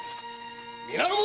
皆の者！